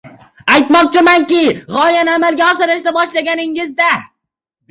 Aytmoqchimanki, gʻoyani amalga oshirishni boshlaganingizda